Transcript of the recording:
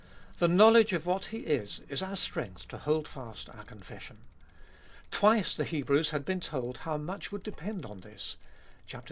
The knowledge of what He is is our strength to hold fast our confession. Twice the Hebrews had been told how much would depend on this (iii.